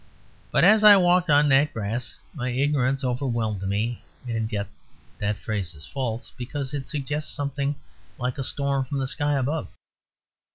But as I walked on that grass my ignorance overwhelmed me and yet that phrase is false, because it suggests something like a storm from the sky above.